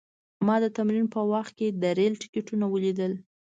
ما د تمرین په وخت کې د ریل ټانکونه ولیدل